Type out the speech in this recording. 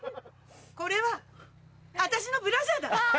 これは私のブラジャーだ。